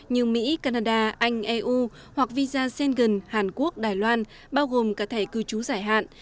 như mỹ canada anh eu hoặc visa sengen hàn quốc đài loan bao gồm cả thẻ cư trú giải hạn